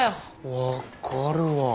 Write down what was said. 分かるわ。